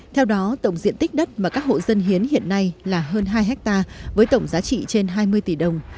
theo đó tổng diện tích đất mà các hộ dân hiến hiện nay là hơn hai hectare với tổng giá trị trên hai mươi tỷ đồng